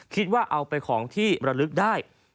คิดว่าเอาไปของที่ระลึกได้